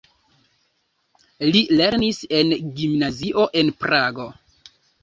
Li lernis en gimnazio en Prago.